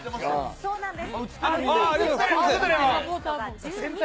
そうなんです。